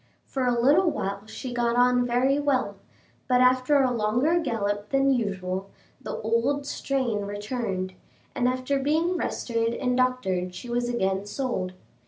For a little while she got on very well, but after a longer gallop than usual, the old strain returned, and after being rested and doctored she was again sold.